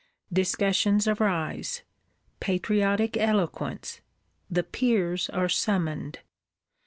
Discussions arise; patriotic eloquence: the Peers are summoned.